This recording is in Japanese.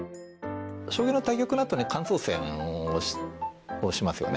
将棋の対局のあとに感想戦をしますよね。